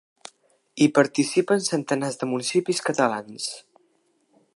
Hi participen centenars de municipis catalans.